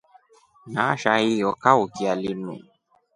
Nasha hiyo kaukya linu.